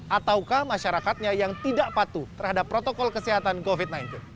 ataukah masyarakatnya yang tidak patuh terhadap protokol kesehatan covid sembilan belas